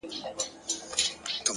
ژمنتیا هدف له خوب څخه واقعیت ته راولي,